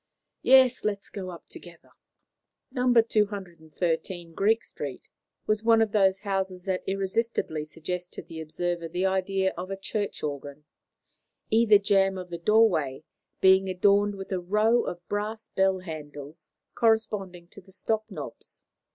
Yes; let us go together." No. 213, Greek Street, was one of those houses that irresistibly suggest to the observer the idea of a church organ, either jamb of the doorway being adorned with a row of brass bell handles corresponding to the stop knobs.